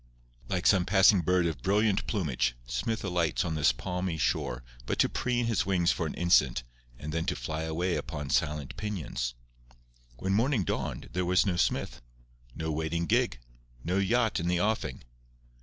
Like some passing bird of brilliant plumage, Smith alights on this palmy shore but to preen his wings for an instant and then to fly away upon silent pinions. When morning dawned there was no Smith, no waiting gig, no yacht in the offing.